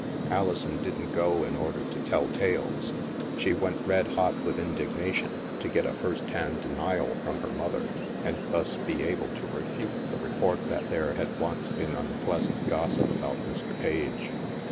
Alison didn't go in order to tell tales; she went red hot with indignation, to get a first hand denial from her mother, and thus be able to refute the re port that there had once been unpleasant gossip about Mr. Page.